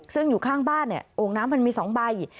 ซึ่งอยู่ข้างบ้านเนี่ยโอ่งน้ำมันมี๒ใบ